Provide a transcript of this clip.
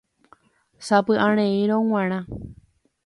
sapy'areírõ g̃uarã